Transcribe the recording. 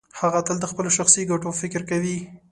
هغه تل د خپلو شخصي ګټو فکر کوي.